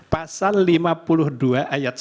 disana disebutkan untuk melaksanakan ketentuan